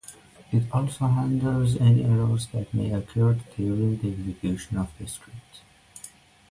It also handles any errors that may occur during the execution of the scripts.